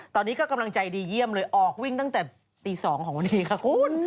ตอนนี้ก็กำลังใจดีเยี่ยมเลยออกวิ่งตั้งแต่ตี๒ของวันนี้ค่ะคุณ